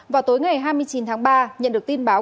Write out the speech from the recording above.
vào tối ngày hai mươi chín tháng ba nhận được tin báo